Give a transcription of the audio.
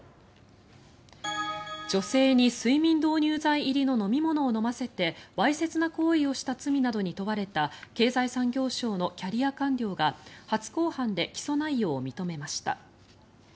女性に睡眠導入剤入りの飲み物を飲ませてわいせつな行為をした罪などに問われた経済産業省のキャリア官僚が初公判で起訴内容を認めました。